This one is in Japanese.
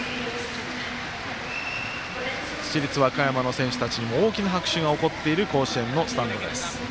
市立和歌山の選手たちにも大きな拍手が起こっている甲子園のスタンドです。